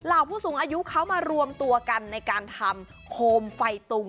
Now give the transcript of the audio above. ผู้สูงอายุเขามารวมตัวกันในการทำโคมไฟตุง